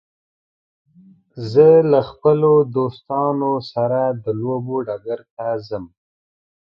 زه له خپلو دوستانو سره د لوبو ډګر ته ځم.